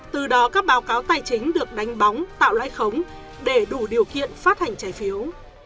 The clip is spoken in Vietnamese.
từ đó các báo cáo tài chính được đánh bóng tạo lãi khống để đủ điều kiện phát hành trái phiếu